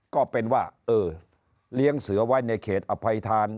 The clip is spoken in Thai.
ก็เป็นว่าเออเลี้ยงเสือไว้ในเขตอภัยธาน